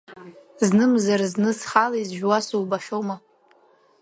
Знымзар-зны схала изжәуа субахьоума?